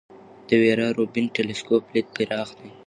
د ویرا روبین ټیلسکوپ لید پراخ دی.